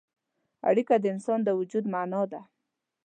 اړیکه د انسان د وجود معنا ده.